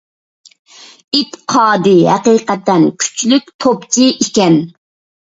ئېتىقادى ھەقىقەتەن كۈچلۈك توپچى ئىكەن